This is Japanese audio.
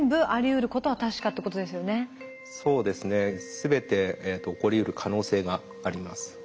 全て起こりうる可能性があります。